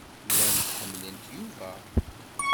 Llant ḥemmlent Yuba.